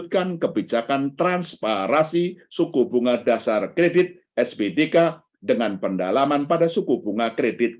kebijakan transparasi suku bunga dasar kredit sbdk dengan pendalaman pada suku bunga kredit